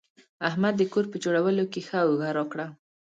احمد د کور په جوړولو کې ښه اوږه راکړه.